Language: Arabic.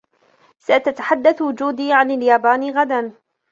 ستتحدث جودي عن اليابان غداً.